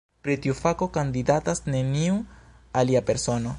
Pri tiu fako kandidatas neniu alia persono.